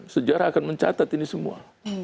sejarah akan mencatat ini semua